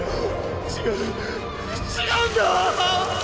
違う違うんだ！